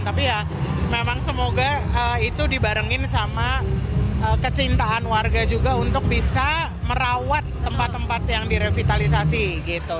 tapi ya memang semoga itu dibarengin sama kecintaan warga juga untuk bisa merawat tempat tempat yang direvitalisasi gitu